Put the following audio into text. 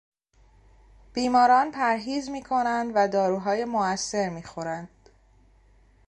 بیماران پرهیز میکنند و داروهای موثر میخورند.